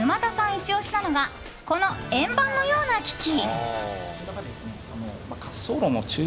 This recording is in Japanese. イチ押しなのがこの円盤のような機器。